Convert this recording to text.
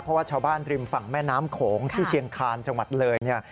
เพราะว่าชาวบ้านริมฝั่งแม่น้ำโขงที่เชียงคาญจังหวัดเลยเนี่ย